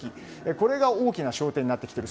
これが大きな焦点になってきている。